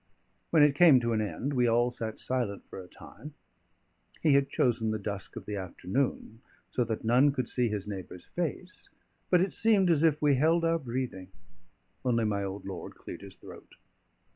When it came to an end, we all sat silent for a time; he had chosen the dusk of the afternoon, so that none could see his neighbour's face; but it seemed as if we held our breathing; only my old lord cleared his throat.